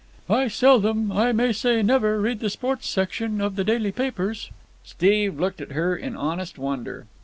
"I seldom, I may say never, read the sporting section of the daily papers." Steve looked at her in honest wonder.